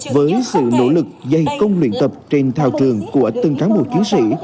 với sự nỗ lực dày công luyện tập trên thao trường của từng cán bộ chiến sĩ